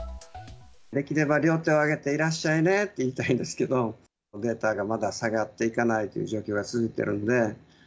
できれば両手を挙げていらっしゃいねって言いたいんですけど、データがまだ下がっていかないという状況が続いているので。